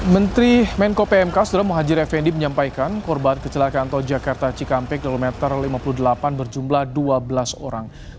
menteri menko pmk sudah muhajir effendi menyampaikan korban kecelakaan tol jakarta cikampek kilometer lima puluh delapan berjumlah dua belas orang